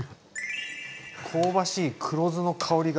香ばしい黒酢の香りが。